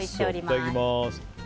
いただきます。